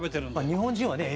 日本人はね